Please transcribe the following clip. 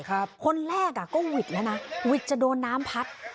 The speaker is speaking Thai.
คนแรกอ่ะก็หวิดแล้วนะหวิดจะโดนน้ำพัด